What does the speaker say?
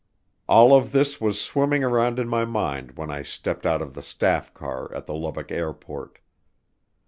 All of this was swimming around in my mind when I stepped out of the staff car at the Lubbock airport.